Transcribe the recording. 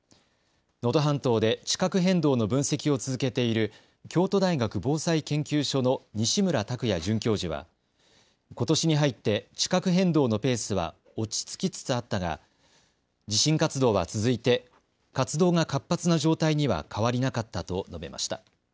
能登半島で地殻変動の分析を続けている京都大学防災研究所の西村卓也准教授はことしに入って地殻変動のペースは落ち着きつつあったが地震活動は続いて活動が活発な状態には変わりなかったと述べました。